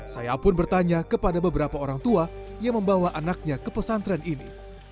saya pun bertanya kepada beberapa orang tua yang membawa anaknya ke pesantren ini